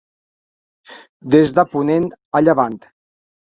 Des de ponent a llevant.